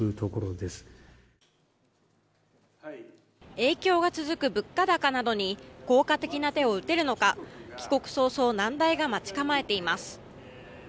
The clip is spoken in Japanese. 影響が続く物価高などに効果的な手を打てるのか帰国早々難題が待ち構えています。